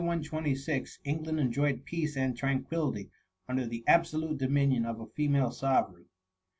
Ik the year S126, England enjoyed peace and tranquillity under the absolute dominion ot a female sovereign.